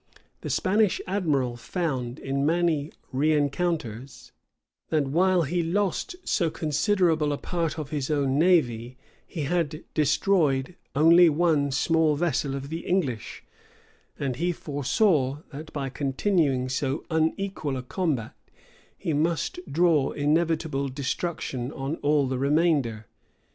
The Spanish admiral found, in many rencounters, that while he lost so considerable a part of his own navy, he had destroyed only one small vessel of the English; and he foresaw, that by continuing so unequal a combat, he must draw inevitable destruction on all the remainder.